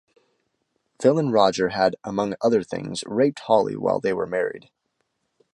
Villain Roger had, among other things, raped Holly while they were married.